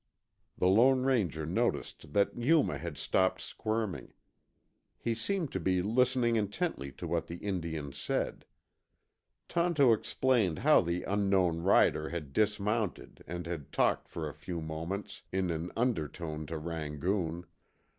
The Lone Ranger noticed that Yuma had stopped squirming. He seemed to be listening intently to what the Indian said. Tonto explained how the unknown rider had dismounted and had talked for a few moments in an undertone to Rangoon.